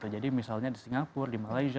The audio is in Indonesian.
misalnya di singapura di malaysia